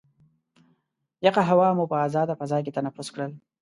یخه هوا مو په ازاده فضا کې تنفس کړل.